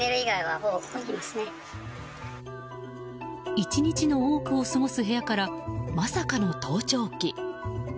１日の多くを過ごす部屋からまさかの盗聴器。